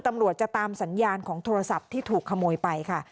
ตำรวจจะตามสัญญาณของโทรศัพท์ที่ถูกขโมยไปค่ะ